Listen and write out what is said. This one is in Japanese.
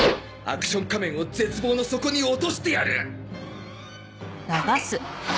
アクション仮面を絶望の底に落としてやる！